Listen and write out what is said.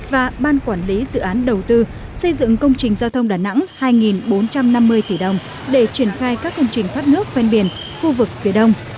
và ban quản lý dự án đầu tư xây dựng công trình giao thông đà nẵng hai bốn trăm năm mươi tỷ đồng để triển khai các công trình thoát nước ven biển khu vực phía đông